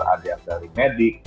ada yang dari medik